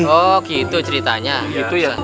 oh gitu ceritanya gitu ya